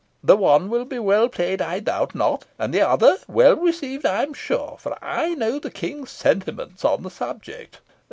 The one will be well played, I doubt not, and the other well received, I am sure, for I know the king's sentiments on the subject.